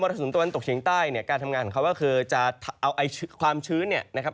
สุนตะวันตกเฉียงใต้เนี่ยการทำงานของเขาก็คือจะเอาความชื้นเนี่ยนะครับ